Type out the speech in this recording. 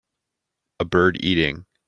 A bird eating.